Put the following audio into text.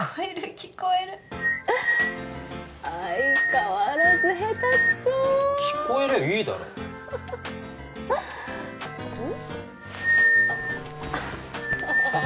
聞こえる相変わらずへたくそ聞こえりゃいいだろあっ